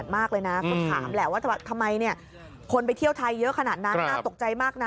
รอยมากเลยนะคืออามากแถวพีลเนี่ยคนไปเที่ยวไทยเยอะขนาดนั้นนะตกใจมากนะ